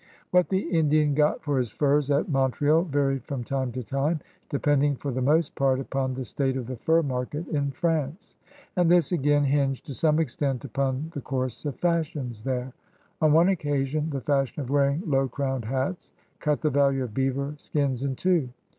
THE COUREUBS DE BOIS 169 What the Indian got for his furs at Montreal varied from time to time, depending for the most part upon the state of the fur market in France. And this, again, hinged to some extent upon the course of fashions there. On one occasion the fashion of wearing low crowned hats cut the value of beaver skins in two.